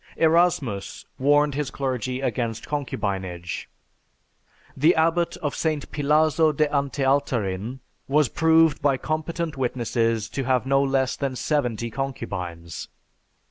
Erasmus warned his clergy against concubinage. The Abbot of St. Pilazo de Antealtarin was proved by competent witnesses to have no less than seventy concubines.